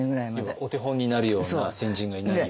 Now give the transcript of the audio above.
要はお手本になるような先人がいないよねと。